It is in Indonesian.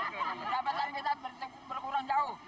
pendapatan kita berkurang jauh